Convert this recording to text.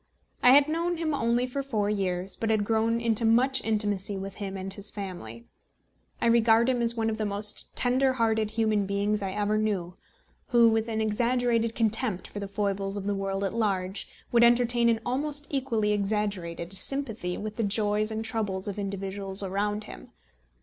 I had known him only for four years, but had grown into much intimacy with him and his family. I regard him as one of the most tender hearted human beings I ever knew, who, with an exaggerated contempt for the foibles of the world at large, would entertain an almost equally exaggerated sympathy with the joys and troubles of individuals around him.